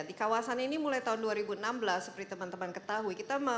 di kawasan ini mulai tahun dua ribu enam belas seperti teman teman ketahui